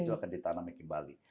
itu akan ditanam lagi kembali